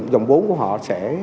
dòng vốn của họ sẽ